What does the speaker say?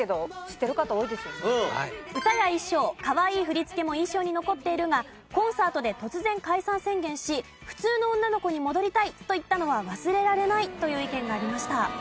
歌や衣装かわいい振り付けも印象に残っているがコンサートで突然解散宣言し「普通の女の子に戻りたい」と言ったのは忘れられないという意見がありました。